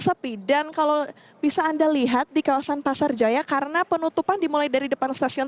sepi dan kalau bisa anda lihat di kawasan pasar jaya karena penutupan dimulai dari depan stasiun